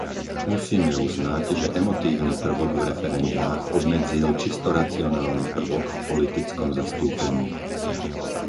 Musíme uznať, že emotívny prvok v referendách obmedzil čisto racionálny prvok v politickom zastúpení.